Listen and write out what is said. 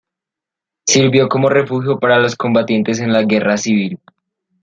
Sirvió como refugio para los combatientes en la Guerra Civil.